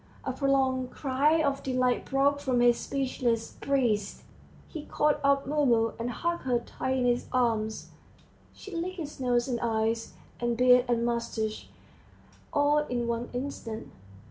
A prolonged cry of delight broke from his speechless breast; he caught up Mumu, and hugged her tight in his arms, she licked his nose and eyes, and beard and moustache, all in one instant.